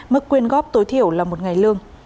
mức quyên góp tối thiểu là một ngày lương